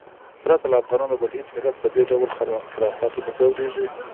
پرته له افغانانو بل هېڅ ملت په دې ډول خرافاتو نه ځورېږي.